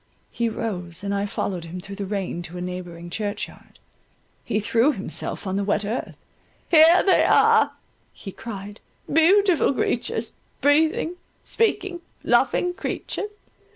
He rose, and I followed him through the rain to a neighbouring church yard —he threw himself on the wet earth. "Here they are," he cried, "beautiful creatures—breathing, speaking, loving creatures.